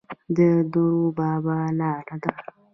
د دور بابا لاره ده